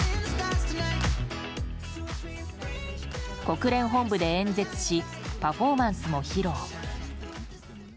国連本部で演説しパフォーマンスも披露。